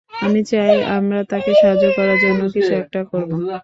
আমি চাই, আমরা তাকে সাহায্য করার জন্য কিছু একটা করব।